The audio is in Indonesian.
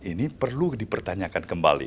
ini perlu dipertanyakan kembali